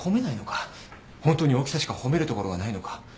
本当に大きさしか褒めるところがないのか。